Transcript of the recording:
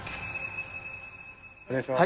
お願いします。